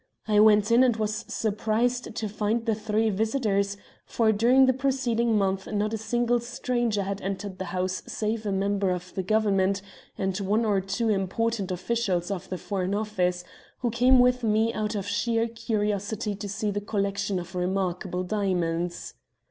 I went in and was surprised to find the three visitors, for during the preceding month not a single stranger had entered the house save a member of the Government and one or two important officials of the Foreign Office, who came with me out of sheer curiosity to see a collection of remarkable diamonds.